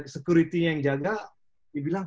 security nya yang jaga dia bilang